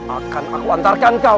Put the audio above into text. akan aku antarkan kau